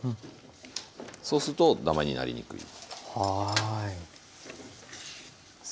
そうするとダマになりにくい。